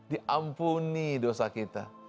diampuni dosa kita